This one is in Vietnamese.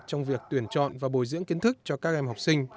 trong việc tuyển chọn và bồi dưỡng kiến thức cho các em học sinh